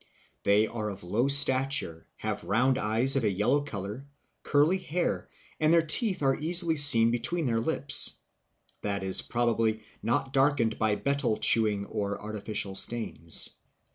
They are of low stature, have round eyes of a yellow color, curly hair, and their teeth are easily seen between their lips. (That is, probably, not darkened by betel chewing or artificial stains.)